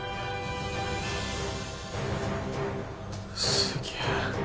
すげえ。